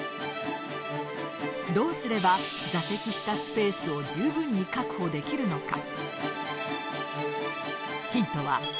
どうすれば座席下スペースを十分に確保できるのか？